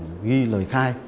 kết quả ghi lời khai